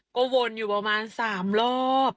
ก็วนอยู่ประมาณ๓รอบ